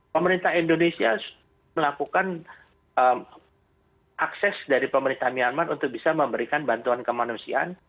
pemerintah indonesia melakukan akses dari pemerintah myanmar untuk bisa memberikan bantuan kemanusiaan